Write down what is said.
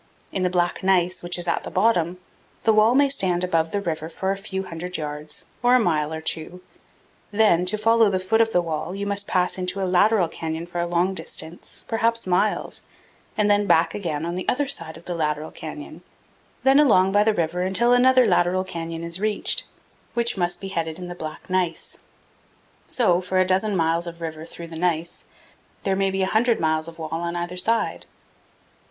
In the black gneiss, which is at the bottom, the wall may stand above the river for a few hundred yards or a 386 CANYONS OF THE COLORADO. mile or two; then, to follow the foot of the wall, you must pass into a lateral canyon for a long distance, perhaps miles, and then back again on the other side of the lateral canyon; then along by the river until another lateral canyon is reached, which must be headed in the black gneiss. So, for a dozen miles of river through the gneiss, there may be a hundred miles of wall on either side.